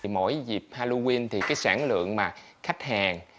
mỗi dịp halloween thì cái sản lượng mà khách hàng